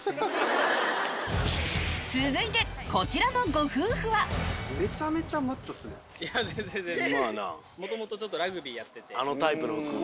続いてこちらのご夫婦は全然全然。